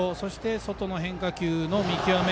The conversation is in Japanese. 外の変化球の見極め。